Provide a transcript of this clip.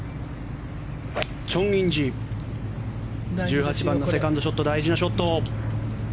チョン・インジ１８番のセカンドショット大事なショット。